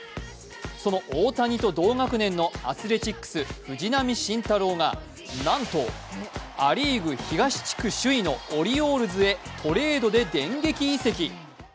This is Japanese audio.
その大谷と同学年のアスレチックス・藤浪晋太郎がなんと、ア・リーグ東地区首位のオリオールズへトレードで電撃移籍。